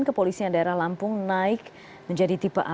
kepolisian daerah lampung naik menjadi tipe a